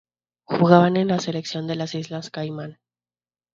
Jugaba en la selección de las Islas Caimán.